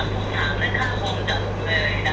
ประกาศคลิปเสียงวันที่๙ถ้าไม่ได้